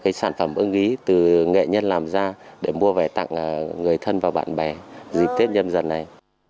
cái sản phẩm ưng ý từ nghệ nhân làm ra để mua về tặng người thân và bạn bè dịp tết nhân dân này